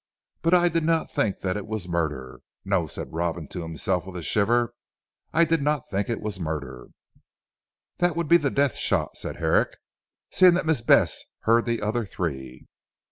But I did not think that it was murder. No," said Robin to himself with a shiver, "I did not think it was murder." "That would be the death shot," said Herrick, "seeing that Miss Bess heard the other three."